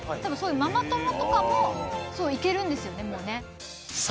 ママ友とかも行けるんですよねもうね。